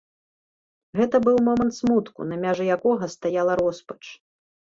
Гэта быў момант смутку, на мяжы якога стаяла роспач.